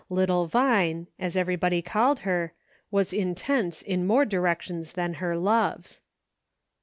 Little Vine, as everybody called her, was intense in more direc tions than her loves.